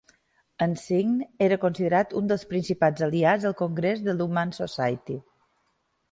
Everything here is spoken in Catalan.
Ensign era considerat un dels principals aliats al Congrés de la Humane Society.